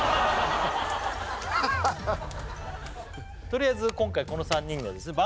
とりあえず今回この３人にはですね